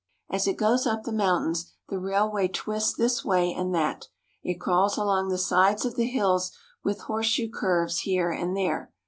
As it goes up the mountains, the railway twists this way and that. It crawls along the sides of the hills with horseshoe curves here and there.